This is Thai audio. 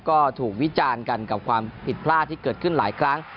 ก็ถูกวิจารณ์กันกับความผิดพลาดที่เกิดขึ้นหลายครั้ง